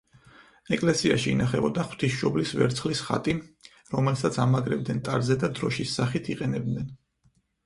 ეკლესიაში ინახებოდა ღვთისმშობლის ვერცხლის ხატი, რომელსაც ამაგრებდნენ ტარზე და დროშის სახით იყენებდნენ.